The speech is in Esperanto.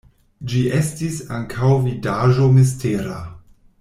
Ĝi estis ankaŭ vidaĵo mistera.